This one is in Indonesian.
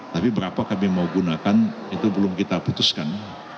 tapi berapa kami mau gunakan itu belum kita putuskan